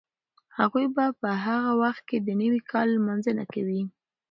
هغوی به په هغه وخت کې د نوي کال لمانځنه کوي.